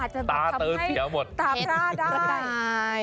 อาจจะทำให้ตาพราได้